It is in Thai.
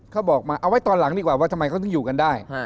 เขาบอกมาเอาไว้ตอนหลังดีกว่าว่าทำไมเขาถึงอยู่กันได้